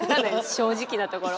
正直なところ。